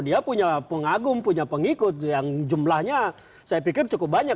dia punya pengagum punya pengikut yang jumlahnya saya pikir cukup banyak